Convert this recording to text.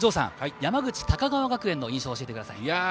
山口・高川学園の印象を教えてください。